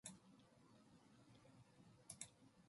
선비 어머니는 곧 일어나며 뒷문을 열었다.